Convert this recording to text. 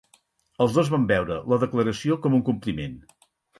Els dos van veure la declaració com un compliment.